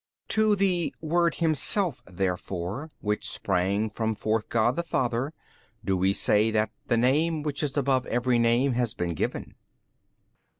B. To the Word Himself therefore which sprang from forth God the Father do we say that the Name which is above every name has been given.